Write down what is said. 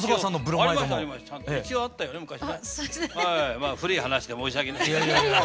まあ古い話で申し訳ない。